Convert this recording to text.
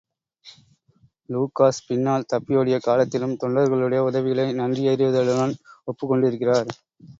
Lucas பின்னால் தப்பியோடிய காலத்திலும் தொண்டர்களுடைய உதவிகளை நன்றியறிதலுடன் ஒப்புக்கொண்டிருக்கிறார்.